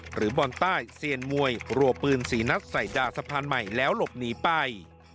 หรือบอลใต้เซียนมวยรัวปืน๔นัดใส่ด่าสะพานใหม่แล้วหลบหนีไป